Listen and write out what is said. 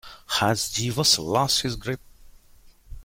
Has Jeeves lost his grip?